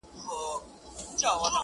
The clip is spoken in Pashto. o دا ستاد كلـي كـاڼـى زمـا دوا ســـوه ـ